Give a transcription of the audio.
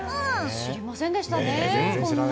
知りませんでしたよね。